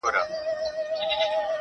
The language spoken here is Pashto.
نور به وه ميني ته شعرونه ليكلو.